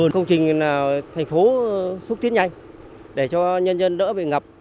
công trình là thành phố xúc tiến nhanh để cho nhân dân đỡ bị ngập